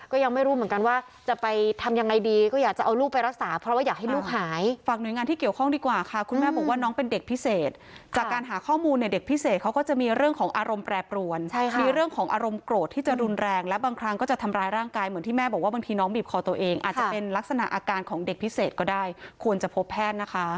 ก็ยังไม่รู้เหมือนกันว่าจะไปทำยังไงดีก็อยากจะเอาลูกไปรักษาเพราะว่าอยากให้ลูกหายฝากหน่วยงานที่เกี่ยวข้องดีกว่าค่ะคุณแม่บอกว่าน้องเป็นเด็กพิเศษจากการหาข้อมูลในเด็กพิเศษเขาก็จะมีเรื่องของอารมณ์แปรปรวนใช่ค่ะมีเรื่องของอารมณ์โกรธที่จะรุนแรงและบางครั้งก็จะทำร้ายร่างกายเหมือนที่แ